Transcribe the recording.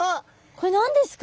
これ何ですか？